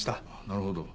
なるほど。